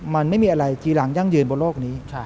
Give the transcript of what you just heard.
มันไม่มีอะไรทีหลังยั่งยืนบนโลกนี้